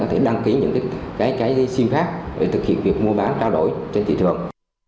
có thể đăng ký những sim khác để thực hiện việc mua bán trao đổi trên thị trường